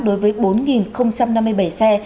đối với bốn năm mươi bảy xe